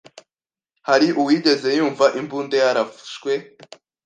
Hari uwigeze yumva imbunda yarashwe?